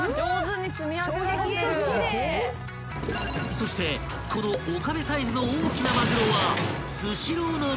［そしてこの岡部サイズの大きなまぐろは］